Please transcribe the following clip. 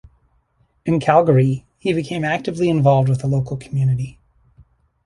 In Calgary he became actively involved with the local community.